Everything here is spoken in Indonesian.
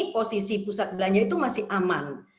posisi pusat belanja itu masih aman